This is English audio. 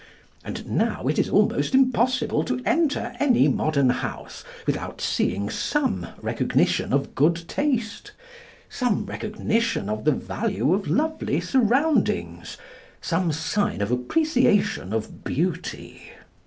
And now it is almost impossible to enter any modern house without seeing some recognition of good taste, some recognition of the value of lovely surroundings, some sign of appreciation of beauty.